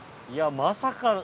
いやまさか。